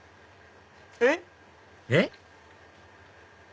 えっ⁉えっ？